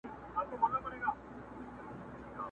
زما له زخمي کابله ویني څاڅي.!